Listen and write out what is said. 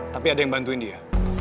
tapi ada yang bantuin dia